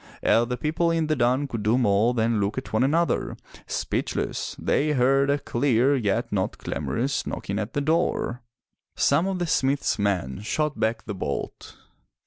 Ere the people in the dun could do more than look at one another, speechless, they heard a clear, yet not clamorous, knocking at the door. Some of the smith's men shot back the bolt.